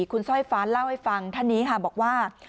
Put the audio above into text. คุณสร้อยฟ้าเล่าให้ฟังท่านนี้ค่ะบอกว่า